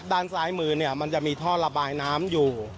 ด้านซ้ายมือเนี่ยมันจะมีท่อระบายน้ำอยู่